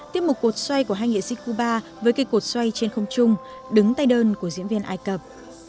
tiếp mục cột xoay của hai nghệ sĩ cuba với cây cột xoay trên không chung đứng tay đơn của diễn viên ai cập